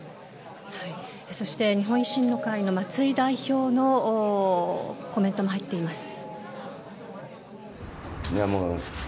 そして日本維新の会の松井代表のコメントも入っています。